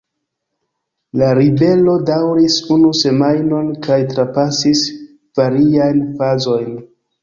La ribelo daŭris unu semajnon kaj trapasis variajn fazojn.